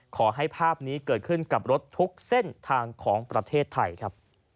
ขอให้ภาพนี้เกิดขึ้นกับรถทุกเส้นทางของประเทศไทยครับ